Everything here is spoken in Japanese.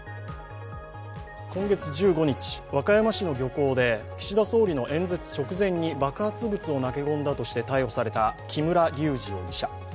今月１５日、和歌山市の漁港で岸田総理の演説直前に爆発物を投げ込んだとして逮捕された木村隆二容疑者。